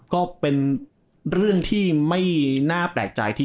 ก็เป็นเรื่องที่ไม่น่าแปลกใจที่